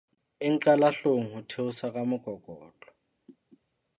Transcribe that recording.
E nqala hloohong ho theosa ka mokokotlo.